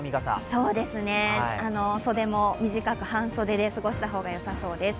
そうですね、袖も短く半袖で過ごした方がよさそうです。